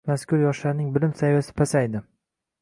Mazkur yoshlarning bilim saviyasi pasaydi.